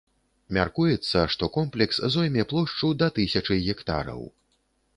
Мяркуецца, што комплекс зойме плошчу да тысячы гектараў.